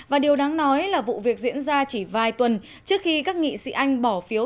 và điều đáng nói là vụ việc diễn ra chỉ vài tuần trước khi các nghị sĩ anh bỏ phiếu